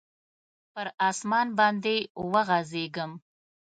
پر اسمان باندي وغځیږم